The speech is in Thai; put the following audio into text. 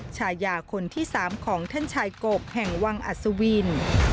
ชายาคนที่๓ของท่านชายกบแห่งวังอัศวิน